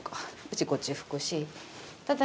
うちこっち拭くし。